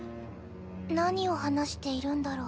何を話しているんだろう？